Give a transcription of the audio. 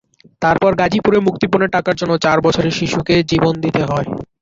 তারপর গাজীপুরে মুক্তিপণের টাকার জন্য চার বছরের শিশুকে জীবন দিতে হয়।